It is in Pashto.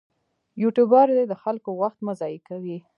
یوټوبر دې د خلکو وخت مه ضایع کوي.